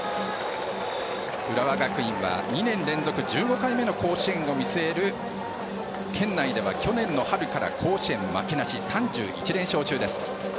浦和学院は２年連続１５回目の甲子園を見据える県内では去年春から甲子園負けなし、３１連勝中です。